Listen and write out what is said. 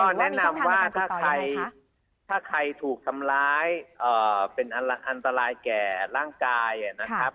ก็แนะนำว่าถ้าใครถูกทำร้ายเป็นอันตรายแก่ร่างกายนะครับ